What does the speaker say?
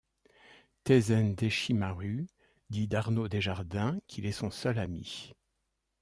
Taisen Deshimaru dit d'Arnaud Desjardins qu'il est son seul ami.